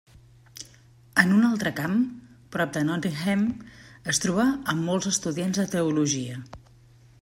En un altre camp, prop de Nottingham, es trobà amb molts estudiants de teologia.